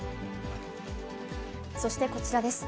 そしてこちらです。